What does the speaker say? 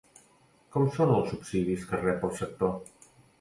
Com són els subsidis que rep el sector?